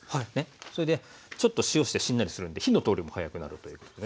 それでちょっと塩してしんなりするんで火の通りも早くなるということでね。